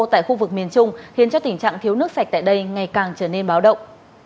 tại khu vực miền trung khiến cho tình trạng thiếu nước sạch tại đây ngày càng trở nên báo động